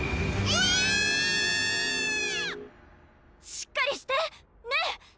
しっかりして！ねぇ！